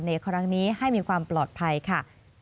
ในครั้งนี้ให้มีความปลอดภัยค่ะ